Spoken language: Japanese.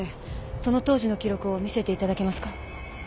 その当時の記録を見せていただけますか？